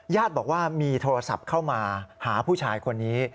ญาติบอกว่ามีโทรศัพท์เข้ามาหาผู้ชายคนนี้